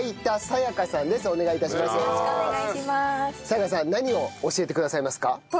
彩香さん何を教えてくださいますか？